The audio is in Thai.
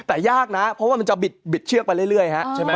แต่ยากนะเพราะว่ามันจะบิดเชือกไปเรื่อยฮะใช่ไหม